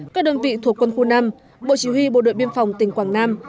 các đơn vị thuộc quân khu năm bộ chỉ huy bộ đội biên phòng tỉnh quảng nam